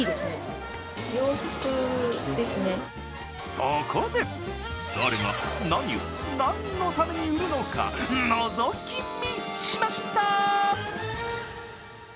そこで、誰が、何を、何のために売るのか、のぞき見しました。